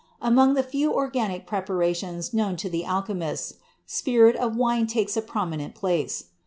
Among the few organic preparations known to the alchemists, spirit of wine takes a prominent place.